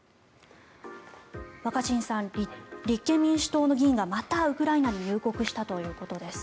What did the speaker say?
若新さん、立憲民主党の議員がまたウクライナに入国したということです。